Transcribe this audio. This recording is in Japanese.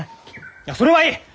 いやそれはいい！